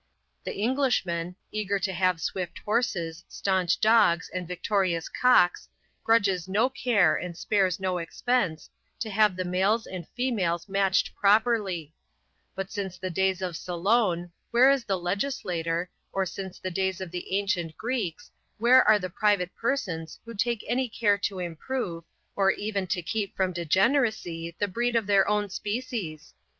The Englishman, eager to have swift horses, staunch dogs, and victorious cocks, grudges no care and spares no expense, to have the males and females matched properly; but since the days of Solon, where is the legislator, or since the days of the ancient Greeks, where are the private persons who take any care to improve, or even to keep from degeneracy the breed of their own species?